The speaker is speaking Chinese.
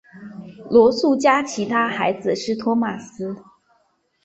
罗素家其他孩子是托马斯。